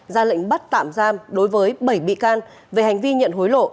ra lệnh bắt tạm giam đối với bảy bị can về hành vi nhận hối lộ